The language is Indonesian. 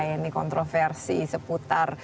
ya ini kontroversi seputar